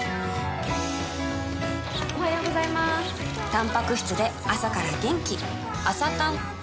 たんぱく質で朝から元気